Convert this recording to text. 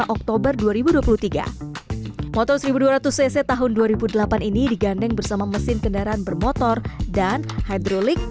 oktober dua ribu dua puluh tiga motor seribu dua ratus cc tahun dua ribu delapan ini digandeng bersama mesin kendaraan bermotor dan hydrolik